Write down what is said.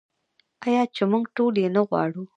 آیا چې موږ ټول یې نه غواړو؟